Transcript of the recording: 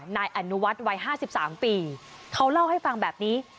นายอนุวัตรวัยห้าสิบสามปีเขาเล่าให้ฟังแบบนี้